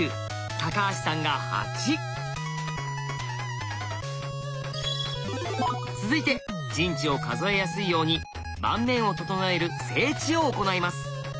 橋さんが８。続いて陣地を数えやすいように盤面を整える「整地」を行います。